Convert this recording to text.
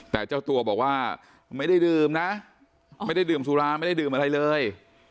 แต่เจ้าตัวบอกว่าไม่ได้ดื่มนะไม่ได้ดื่มสุราไม่ได้ดื่มอะไรเลย